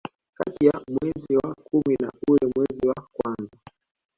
Kati ya mwezi wa kumi na ule mwezi wa kwanza